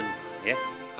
sama aji dudun ya